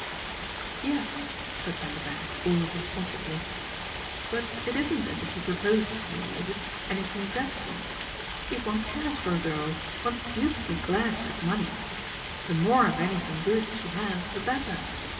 "Yes," said Vanderbank all responsively, "but it isn't as if you proposed to me, is it, anything dreadful? If one cares for a girl one's deucedly glad she has money. The more of anything good she has the better.